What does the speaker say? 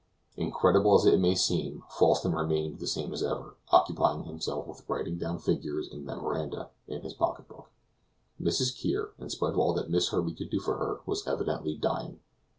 Incredible as it may seem, Falsten remained the same as ever, occupying himself with writing down figures and memoranda in his pocketbook. Mrs. Kear, in spite of all that Miss Herbey could do for her, was evidently dying.